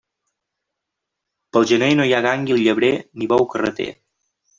Pel gener no hi ha gànguil llebrer ni bou carreter.